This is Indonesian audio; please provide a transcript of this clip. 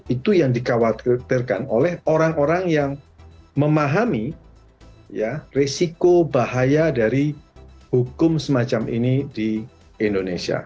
itu yang dikhawatirkan oleh orang orang yang memahami risiko bahaya dari hukum semacam ini di indonesia